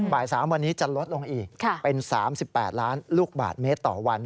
บ่าย๓วันนี้จะลดลงอีกเป็น๓๘ล้านลูกบาทเมตรต่อวัน